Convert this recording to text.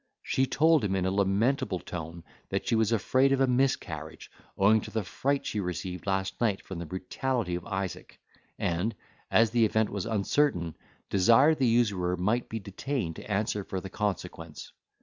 She told him in a lamentable tone, that she was afraid of a miscarriage, owing to the fright she received last night from the brutality of Isaac; and, as the event was uncertain, desired the usurer might be detained to answer for the consequence.